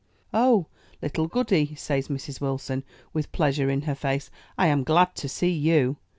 "Oh! Little Goody," says Mrs. Wilson, with pleasure in her face, "I am glad to see you.